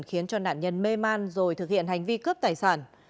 khiến cho nạn nhân mê man rồi thực hiện hành vi cướp tài sản